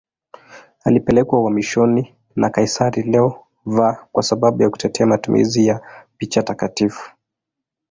Alipelekwa uhamishoni na kaisari Leo V kwa sababu ya kutetea matumizi ya picha takatifu.